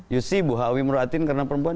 yusi bu hawi mur'atin karena perempuan